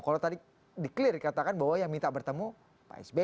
kalau tadi di clear dikatakan bahwa yang minta bertemu pak s b ya